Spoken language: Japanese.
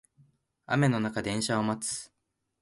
雨の中電車を待つ